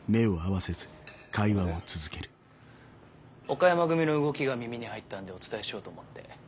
岡山組の動きが耳に入ったんでお伝えしようと思って。